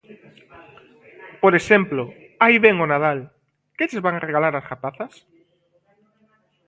Por exemplo, aí vén o Nadal: que lles van regalar ás rapazas?